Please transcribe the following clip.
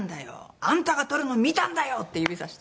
「あんたが盗るの見たんだよ！」って指さして。